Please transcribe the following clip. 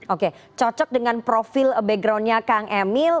oke cocok dengan profil backgroundnya kang emil